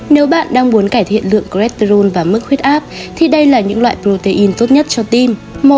nếu bạn đang muốn cải thiện lượng gretron và mức huyết áp thì đây là những loại protein tốt nhất cho tim